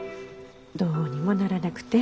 どうにもならなくて。